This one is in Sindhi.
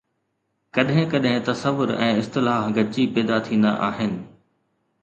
ڪڏهن ڪڏهن تصور ۽ اصطلاح گڏجي پيدا ٿيندا آهن.